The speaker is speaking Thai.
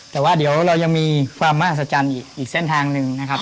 แต่ว่าเดี๋ยวยังมีฟาร์มมากสัจจันทร์อีกแสนทางหนึ่งนะครับ